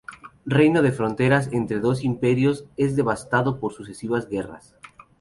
Reino de fronteras entre dos imperios, es devastado por sucesivas guerras.